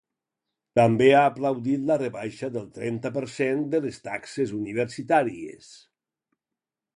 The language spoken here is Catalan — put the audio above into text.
També ha aplaudit la rebaixa del trenta per cent de les taxes universitàries.